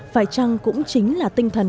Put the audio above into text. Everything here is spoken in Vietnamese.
phải chăng cũng chính là tinh thần